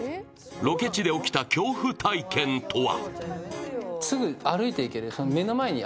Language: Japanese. ロケ地で起きた恐怖体験とは？